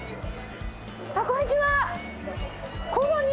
あっこんにちは。